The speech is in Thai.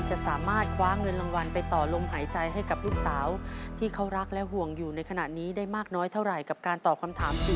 จะสามารถคว้าเงินรางวัลไปต่อลมหายใจให้กับลูกสาวที่เขารักและห่วงอยู่ในขณะนี้ได้มากน้อยเท่าไหร่กับการตอบคำถามสิ